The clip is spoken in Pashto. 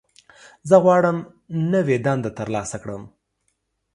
زه غواړم نوې دنده ترلاسه کړم.